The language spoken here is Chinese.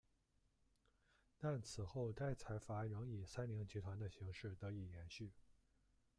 但此后该财阀仍以三菱集团的形式得以延续。